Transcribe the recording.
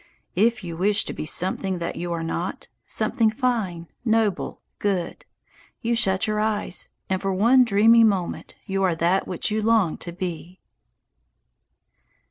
If you wish to be something that you are not, something fine, noble, good, you shut your eyes, and for one dreamy moment you are that which you long to be.